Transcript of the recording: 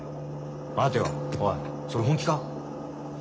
待てよおいそれ本気か！？